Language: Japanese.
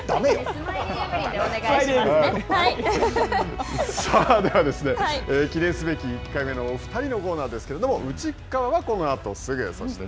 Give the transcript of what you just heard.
スマイルエブリンでお願いしますさあ、ではですね、記念すべき１回目のお２人のコーナーですけれども、うちっかわはこのあとすぐ。